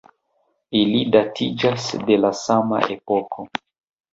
Ili datiĝas de la sama epoko.